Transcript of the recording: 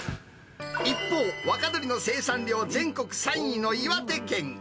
一方、若鶏の生産量全国３位の岩手県。